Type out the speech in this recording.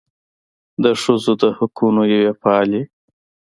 د ښځو د حقونو یوې فعالې